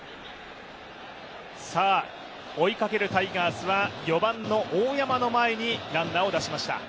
追いかけるタイガースは４番の大山の前にランナーを出しました。